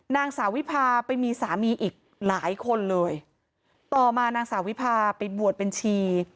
นางสาววิพาไปมีสามีอีกหลายคนเลยต่อมานางสาววิพาไปบวชบัญชี